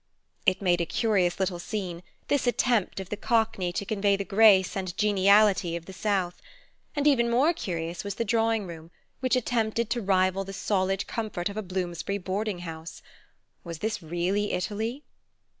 It made a curious little scene, this attempt of the Cockney to convey the grace and geniality of the South. And even more curious was the drawing room, which attempted to rival the solid comfort of a Bloomsbury boarding house. Was this really Italy?